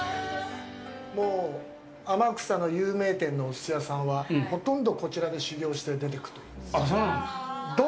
もう天草の有名店のおすし屋さんはほとんどこちらで修業して出てくという。